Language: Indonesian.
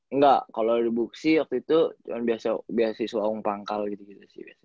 engga kalo di book city waktu itu cuman beasiswa umpangkal gitu gitu sih biasanya